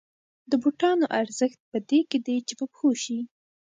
د بوټانو ارزښت په دې کې دی چې په پښو شي